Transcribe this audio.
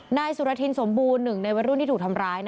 นายสุรทินสมบูรณ์หนึ่งในวัยรุ่นที่ถูกทำร้าย